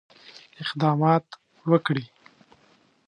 اقدامات وکړي.